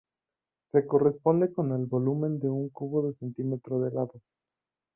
Se corresponde con el volumen de un cubo de un centímetro de lado.